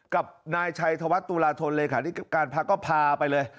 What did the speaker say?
กับนายชัยธวัฒนตุลาธนเลขาธิการพักก็พาไปเลย